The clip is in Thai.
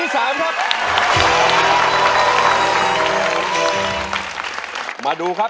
สู้ค่ะ